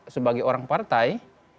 sebagai orang partai